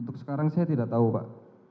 untuk sekarang saya tidak tahu pak